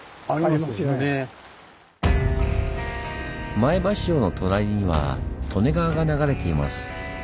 前橋城の隣には利根川が流れています。